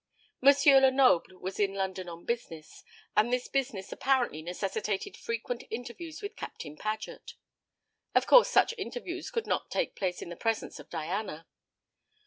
M. Lenoble was in London on business, and this business apparently necessitated frequent interviews with Captain Paget. Of course such interviews could not take place in the presence of Diana.